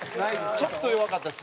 ちょっと弱かったです。